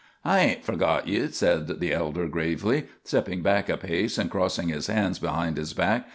"I hain't forgot ye," said the elder, gravely, stepping back a pace and crossing his hands behind his back.